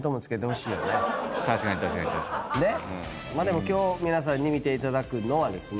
でも今日皆さんに見ていただくのはですね